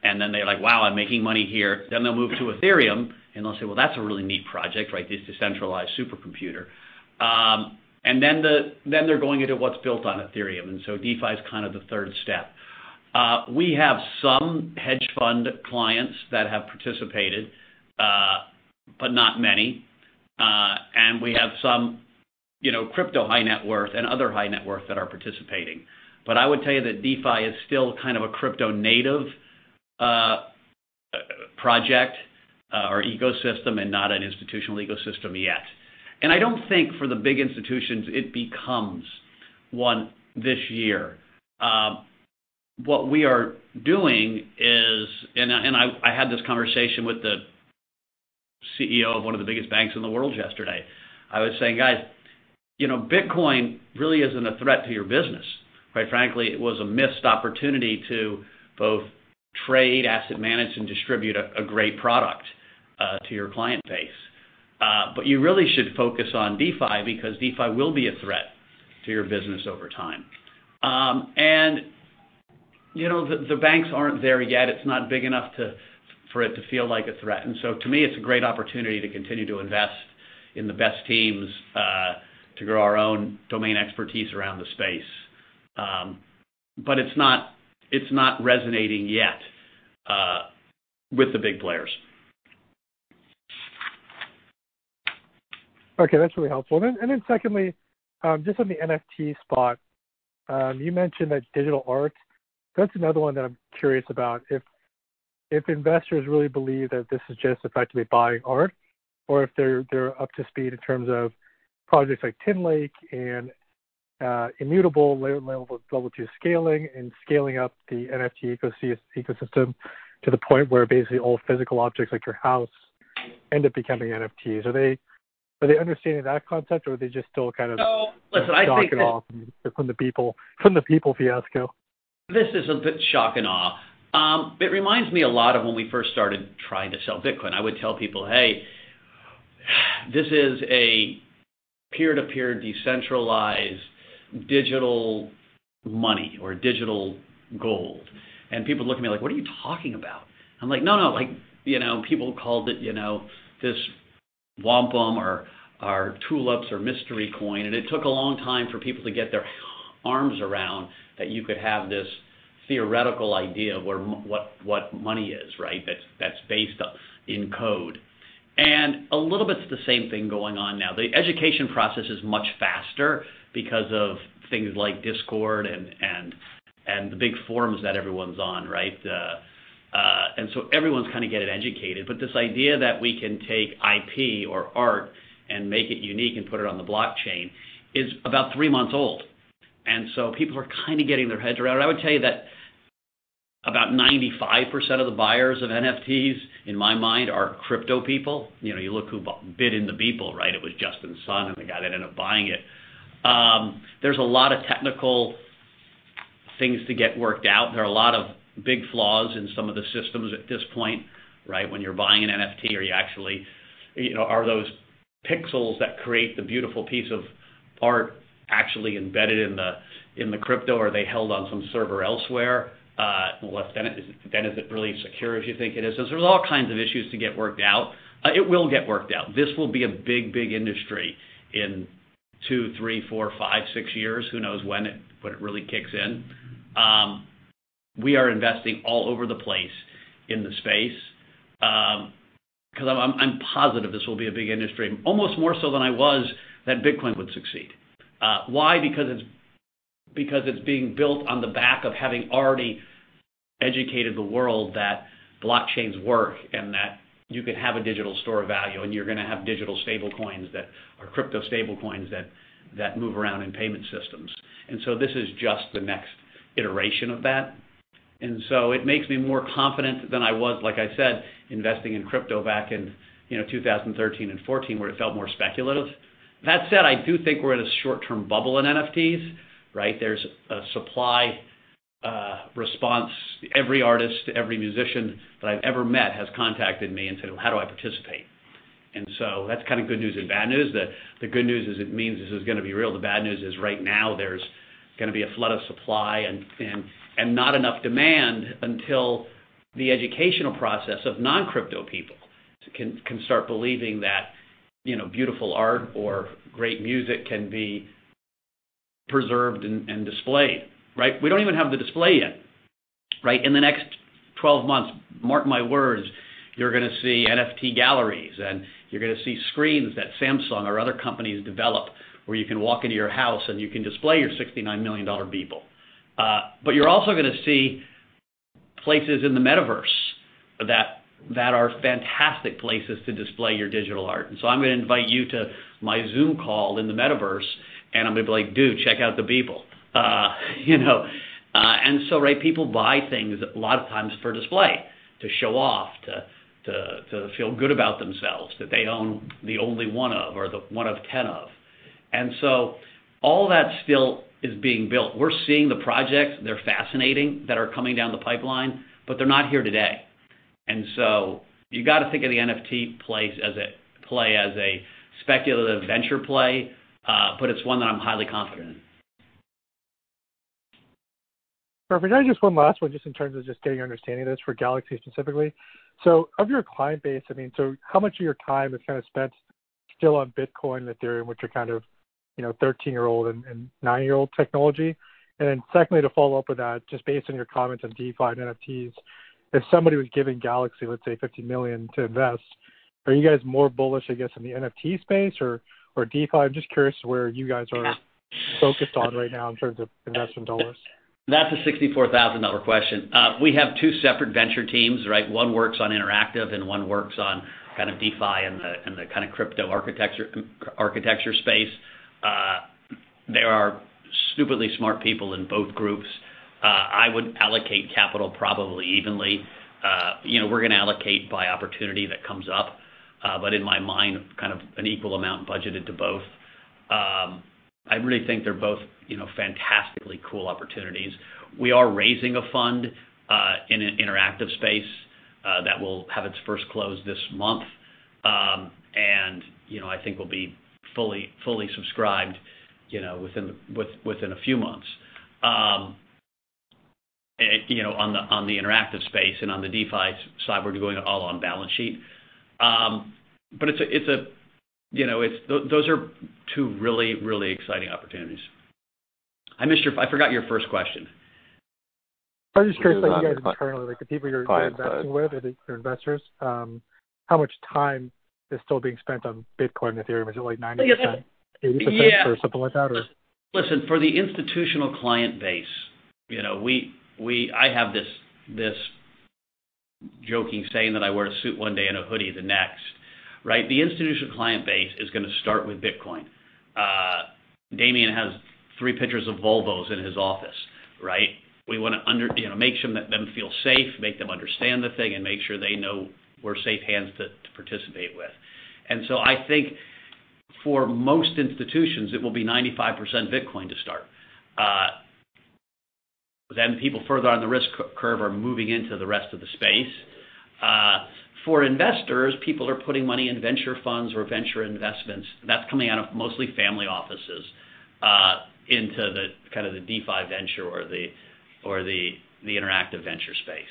and then they're like, "Wow, I'm making money here." Then they'll move to Ethereum, and they'll say, "Well, that's a really neat project, this decentralized supercomputer," and then they're going into what's built on Ethereum, and so DeFi is kind of the third step. We have some hedge fund clients that have participated, but not many. And we have some crypto high net worth and other high net worth that are participating. But I would tell you that DeFi is still kind of a crypto native project or ecosystem and not an institutional ecosystem yet. And I don't think for the big institutions it becomes one this year. What we are doing is, and I had this conversation with the CEO of one of the biggest banks in the world yesterday. I was saying, "Guys, Bitcoin really isn't a threat to your business." Quite frankly, it was a missed opportunity to both trade, asset manage, and distribute a great product to your client base. But you really should focus on DeFi because DeFi will be a threat to your business over time. And the banks aren't there yet. It's not big enough for it to feel like a threat. And so to me, it's a great opportunity to continue to invest in the best teams to grow our own domain expertise around the space. But it's not resonating yet with the big players. Okay. That's really helpful. And then secondly, just on the NFT space, you mentioned that digital art. That's another one that I'm curious about. If investors really believe that this is just effectively buying art or if they're up to speed in terms of projects like Tinlake and Immutable X scaling and scaling up the NFT ecosystem to the point where basically all physical objects like your house end up becoming NFTs. Are they understanding that concept, or are they just still kind of shocking off from the Beeple fiasco? This is a bit shocking off. It reminds me a lot of when we first started trying to sell Bitcoin. I would tell people, "Hey, this is a peer-to-peer decentralized digital money or digital gold," and people look at me like, "What are you talking about?" I'm like, "No, no." People called it this wampum or tulips or mystery coin, and it took a long time for people to get their arms around that you could have this theoretical idea of what money is that's based in code, and a little bit it's the same thing going on now. The education process is much faster because of things like Discord and the big forums that everyone's on, and so everyone's kind of getting educated, but this idea that we can take IP or art and make it unique and put it on the blockchain is about three months old. People are kind of getting their heads around. I would tell you that about 95% of the buyers of NFTs, in my mind, are crypto people. You look who bid in the Beeple. It was Justin Sun and the guy that ended up buying it. There's a lot of technical things to get worked out. There are a lot of big flaws in some of the systems at this point when you're buying an NFT or you actually are those pixels that create the beautiful piece of art actually embedded in the crypto, are they held on some server elsewhere? Then is it really as secure as you think it is? There's all kinds of issues to get worked out. It will get worked out. This will be a big, big industry in two, three, four, five, six years. Who knows when it really kicks in? We are investing all over the place in the space because I'm positive this will be a big industry, almost more so than I was that Bitcoin would succeed. Why? Because it's being built on the back of having already educated the world that blockchains work and that you can have a digital store of value and you're going to have digital stablecoins that are crypto stablecoins that move around in payment systems. And so this is just the next iteration of that. And so it makes me more confident than I was, like I said, investing in crypto back in 2013 and 2014 where it felt more speculative. That said, I do think we're in a short-term bubble in NFTs. There's a supply response. Every artist, every musician that I've ever met has contacted me and said, "How do I participate?" And so that's kind of good news and bad news. The good news is it means this is going to be real. The bad news is right now there's going to be a flood of supply and not enough demand until the educational process of non-crypto people can start believing that beautiful art or great music can be preserved and displayed. We don't even have the display yet. In the next 12 months, mark my words, you're going to see NFT galleries and you're going to see screens that Samsung or other companies develop where you can walk into your house and you can display your $69 million Beeple. But you're also going to see places in the metaverse that are fantastic places to display your digital art. And so I'm going to invite you to my Zoom call in the metaverse, and I'm going to be like, "Dude, check out the Beeple." And so people buy things a lot of times for display, to show off, to feel good about themselves that they own the only one of or the one of 10 of. And so all that still is being built. We're seeing the projects. They're fascinating that are coming down the pipeline, but they're not here today. And so you got to think of the NFT play as a speculative venture play, but it's one that I'm highly confident in. Perfect. I just have one last one just in terms of just getting your understanding of this for Galaxy specifically. So of your client base, I mean, so how much of your time is kind of spent still on Bitcoin and Ethereum, which are kind of 13-year-old and 9-year-old technology? And then secondly, to follow up with that, just based on your comments on DeFi and NFTs, if somebody was giving Galaxy, let's say, $50 million to invest, are you guys more bullish, I guess, in the NFT space or DeFi? I'm just curious where you guys are focused on right now in terms of investment dollars. That's a $64,000 question. We have two separate venture teams. One works on Interactive and one works on kind of DeFi and the kind of crypto architecture space. There are stupidly smart people in both groups. I would allocate capital probably evenly. We're going to allocate by opportunity that comes up, but in my mind, kind of an equal amount budgeted to both. I really think they're both fantastically cool opportunities. We are raising a fund in an Interactive space that will have its first close this month, and I think we'll be fully subscribed within a few months on the Interactive space and on the DeFi side. We're doing it all on balance sheet. But those are two really, really exciting opportunities. I forgot your first question. I was just curious about you guys internally, the people you're investing with, your investors, how much time is still being spent on Bitcoin and Ethereum? Is it like 90%, 80%, or something like that, or? Listen, for the institutional client base, I have this joking saying that I wear a suit one day and a hoodie the next. The institutional client base is going to start with Bitcoin. Damien has three pictures of wolves in his office. We want to make sure that them feel safe, make them understand the thing, and make sure they know we're safe hands to participate with. And so I think for most institutions, it will be 95% Bitcoin to start. Then the people further on the risk curve are moving into the rest of the space. For investors, people are putting money in venture funds or venture investments. That's coming out of mostly family offices into kind of the DeFi venture or the Interactive venture space.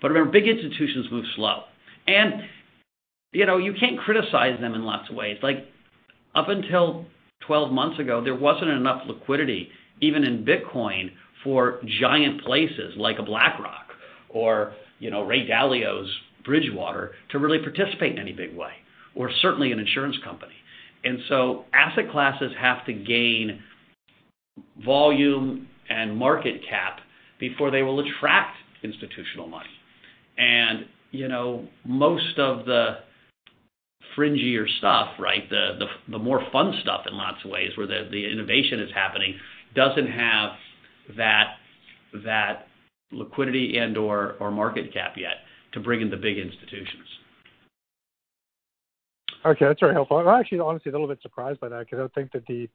But remember, big institutions move slow. And you can't criticize them in lots of ways. Up until 12 months ago, there wasn't enough liquidity, even in Bitcoin, for giant places like a BlackRock or Ray Dalio's Bridgewater to really participate in any big way, or certainly an insurance company. And so asset classes have to gain volume and market cap before they will attract institutional money. And most of the fringier stuff, the more fun stuff in lots of ways where the innovation is happening, doesn't have that liquidity and/or market cap yet to bring in the big institutions. Okay. That's very helpful. I'm actually, honestly, a little bit surprised by that because I don't think that the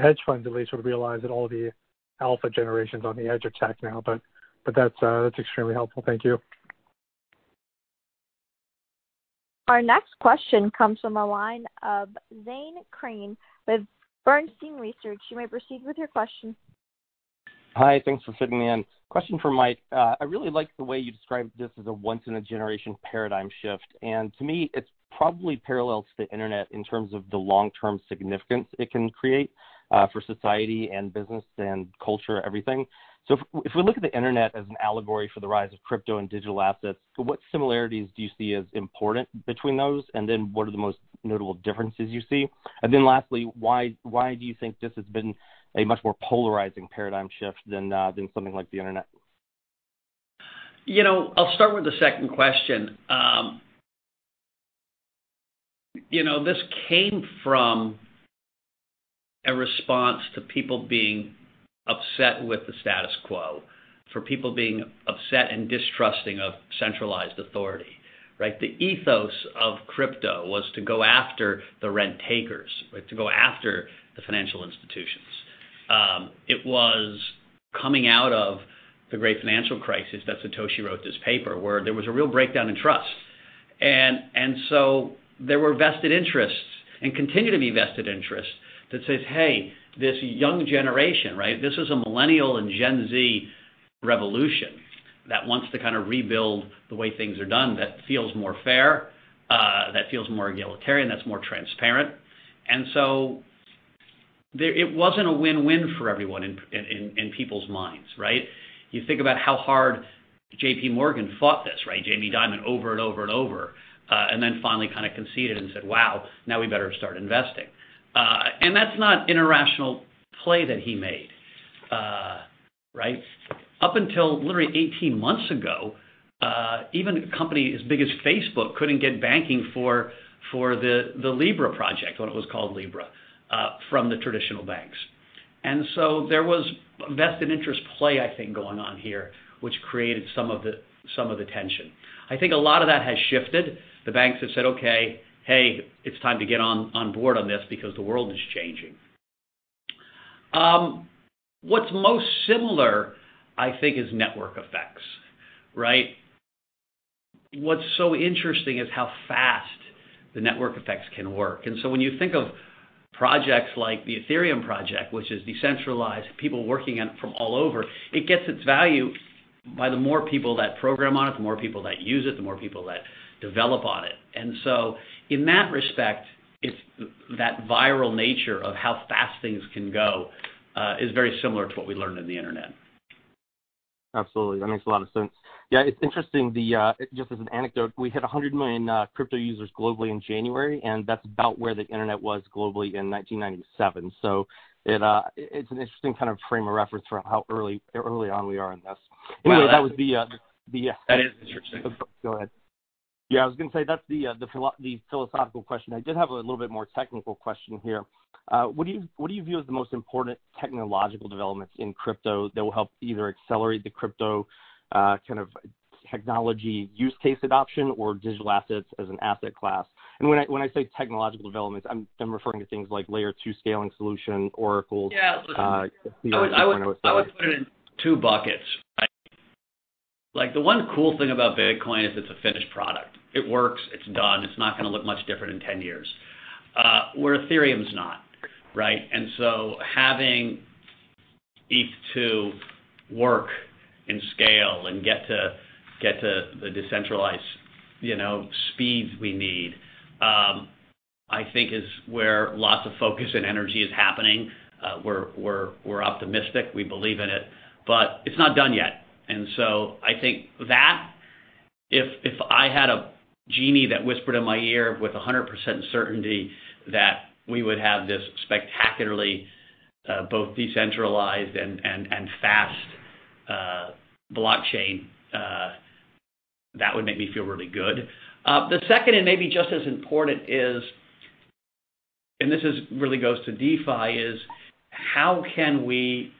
hedge funds at least would realize that all the alpha generations on the hedge are tech now. But that's extremely helpful. Thank you. Our next question comes from a line of Zane Chrane with Bernstein Research. You may proceed with your question. Hi. Thanks for fitting in. Question for Mike. I really like the way you described this as a once-in-a-generation paradigm shift, and to me, it probably parallels the internet in terms of the long-term significance it can create for society and business and culture, everything. If we look at the internet as an allegory for the rise of crypto and digital assets, what similarities do you see as important between those? Then what are the most notable differences you see? Lastly, why do you think this has been a much more polarizing paradigm shift than something like the internet? I'll start with the second question. This came from a response to people being upset with the status quo, for people being upset and distrusting of centralized authority. The ethos of crypto was to go after the rent takers, to go after the financial institutions. It was coming out of the great financial crisis that Satoshi wrote this paper where there was a real breakdown in trust, and so there were vested interests and continue to be vested interests that says, "Hey, this young generation, this is a Millennial and Gen Z revolution that wants to kind of rebuild the way things are done that feels more fair, that feels more egalitarian, that's more transparent," and so it wasn't a win-win for everyone in people's minds. You think about how hard JPMorgan fought this, Jamie Dimon over and over and over, and then finally kind of conceded and said, "Wow, now we better start investing." And that's not an irrational play that he made. Up until literally 18 months ago, even a company as big as Facebook couldn't get banking for the Libra project when it was called Libra from the traditional banks. And so there was a vested interest play, I think, going on here, which created some of the tension. I think a lot of that has shifted. The banks have said, "Okay, hey, it's time to get on board on this because the world is changing." What's most similar, I think, is network effects. What's so interesting is how fast the network effects can work. And so when you think of projects like the Ethereum project, which is decentralized, people working on it from all over, it gets its value by the more people that program on it, the more people that use it, the more people that develop on it. And so in that respect, it's that viral nature of how fast things can go is very similar to what we learned in the internet. Absolutely. That makes a lot of sense. Yeah. It's interesting, just as an anecdote, we hit 100 million crypto users globally in January, and that's about where the internet was globally in 1997. So it's an interesting kind of frame of reference for how early on we are in this. Anyway, that was the. That is interesting. Go ahead. Yeah. I was going to say that's the philosophical question. I did have a little bit more technical question here. What do you view as the most important technological developments in crypto that will help either accelerate the crypto kind of technology use case adoption or digital assets as an asset class? And when I say technological developments, I'm referring to things like Layer 2 scaling solution, oracles. Yeah. I would put it in two buckets. The one cool thing about Bitcoin is it's a finished product. It works. It's done. It's not going to look much different in 10 years, where Ethereum's not. And so having ETH2 work and scale and get to the decentralized speeds we need, I think, is where lots of focus and energy is happening. We're optimistic. We believe in it. But it's not done yet. And so I think that if I had a genie that whispered in my ear with 100% certainty that we would have this spectacularly both decentralized and fast blockchain, that would make me feel really good. The second, and maybe just as important, is, and this really goes to DeFi, is how can we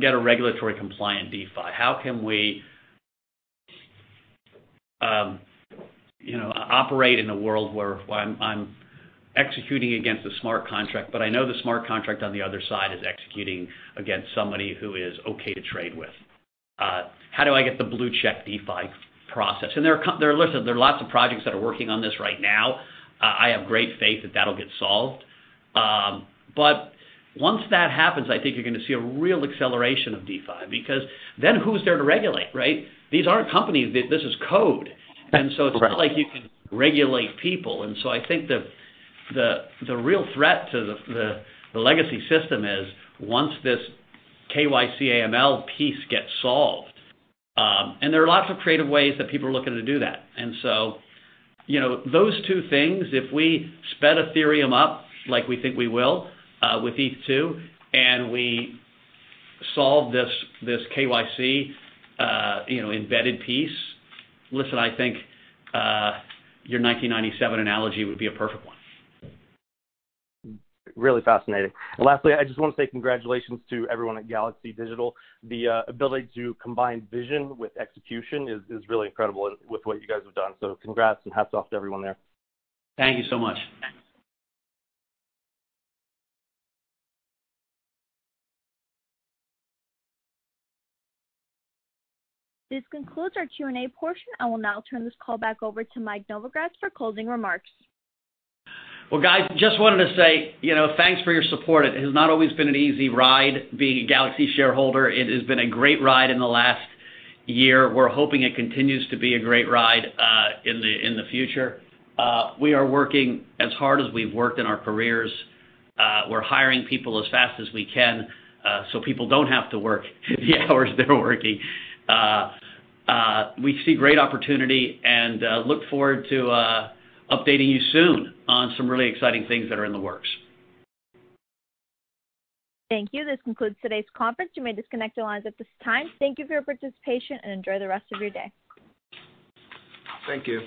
get a regulatory compliant DeFi? How can we operate in a world where I'm executing against a smart contract, but I know the smart contract on the other side is executing against somebody who is okay to trade with? How do I get the blue-check DeFi process? And listen, there are lots of projects that are working on this right now. I have great faith that that'll get solved. But once that happens, I think you're going to see a real acceleration of DeFi because then who's there to regulate? These aren't companies. This is code. And so it's not like you can regulate people. And so I think the real threat to the legacy system is once this KYC/AML piece gets solved. And there are lots of creative ways that people are looking to do that. And so those two things, if we sped Ethereum up like we think we will with ETH2 and we solve this KYC embedded piece, listen, I think your 1997 analogy would be a perfect one. Really fascinating. Lastly, I just want to say congratulations to everyone at Galaxy Digital. The ability to combine vision with execution is really incredible with what you guys have done. So congrats and hats off to everyone there. Thank you so much. This concludes our Q&A portion. I will now turn this call back over to Mike Novogratz for closing remarks. Guys, just wanted to say thanks for your support. It has not always been an easy ride being a Galaxy shareholder. It has been a great ride in the last year. We're hoping it continues to be a great ride in the future. We are working as hard as we've worked in our careers. We're hiring people as fast as we can so people don't have to work the hours they're working. We see great opportunity and look forward to updating you soon on some really exciting things that are in the works. Thank you. This concludes today's conference. You may disconnect your lines at this time. Thank you for your participation and enjoy the rest of your day. Thank you.